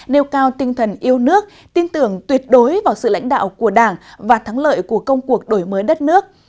nêu cao tinh thần yêu nước tin tưởng tuyệt đối vào sự lãnh đạo của đảng và thắng lợi của công cuộc đổi mới đất nước